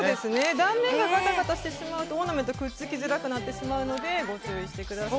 断面がガタガタしてしまうとオーナメントがくっつきにくくなってしまうのでご注意してください。